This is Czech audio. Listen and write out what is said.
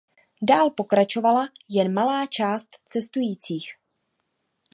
Dál pokračovala jen malá část cestujících.